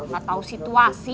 gak tau situasi